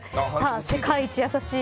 世界一優しい！